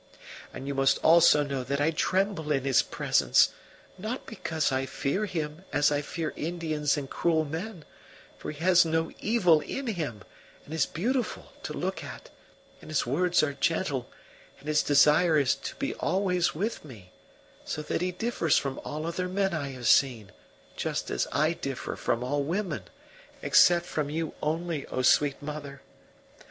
And you must also know that I tremble in his presence, not because I fear him as I fear Indians and cruel men; for he has no evil in him, and is beautiful to look at, and his words are gentle, and his desire is to be always with me, so that he differs from all other men I have seen, just as I differ from all women, except from you only, O sweet mother.